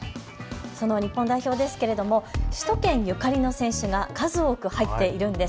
日本代表ですが首都圏ゆかりの選手が数多く入っているんです。